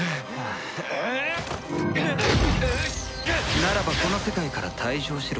ならばこの世界から退場しろ。